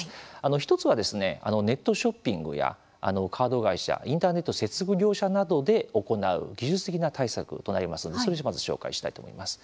１つは、ネットショッピングやカード会社インターネット接続業者などで行う技術的な対策となりますのでそれをまず紹介したいと思います。